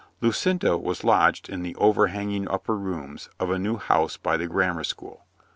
Lucinda was lodged in the overhang ing upper rooms of a new house by the grammar school.